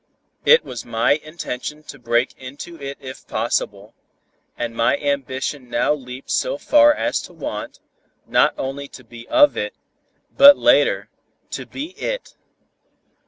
It was my intention to break into it if possible, and my ambition now leaped so far as to want, not only to be of it, but later, to be IT.